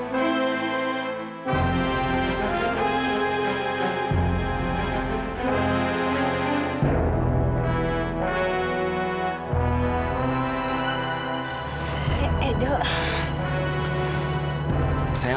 biar aku gendong aja ya